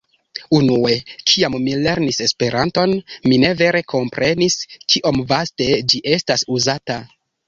Unue, kiam mi lernis Esperanton, mi ne vere komprenis kiom vaste ĝi estas uzata.